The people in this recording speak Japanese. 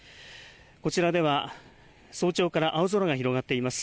こちらでは、早朝から青空が広がっています。